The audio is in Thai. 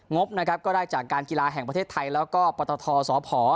งบได้จากการกีฬาแห่งประเทศไทยและปตทสภ